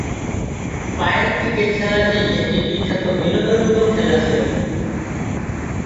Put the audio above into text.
পায়ের ক্রিকেট খেলাটি একটি বিখ্যাত বিনোদনমূলক খেলা ছিল।